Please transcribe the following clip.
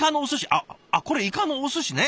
あっこれイカのおすしね。